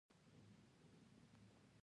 افغانستان د ژمنیو واورو لپاره یو ښه کوربه دی.